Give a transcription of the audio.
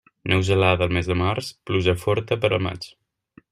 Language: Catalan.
Neu gelada al mes de març, pluja forta per a maig.